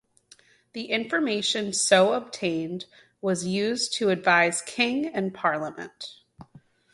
The information so obtained was used to advise King and Parliament.